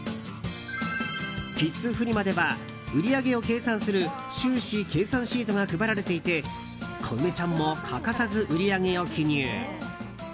キッズフリマでは売上を計算する収支計算シートが配られていてこうめちゃんも欠かさず売り上げを記入。